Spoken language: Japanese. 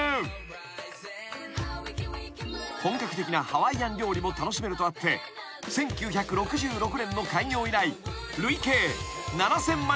［本格的なハワイアン料理も楽しめるとあって１９６６年の開業以来累計７，０００万